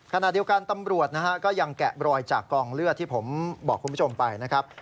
ขณะเดียวกันตำรวจนะฮะก็ยังแกะรอยจากกองเลือดที่ผมบอกคุณผู้ชมไปนะครับ